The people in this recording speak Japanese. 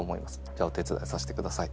じゃあお手伝いさせてください。